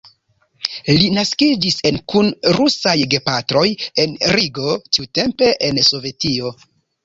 Li naskiĝis en kun rusaj gepatroj en Rigo, tiutempe en Sovetio.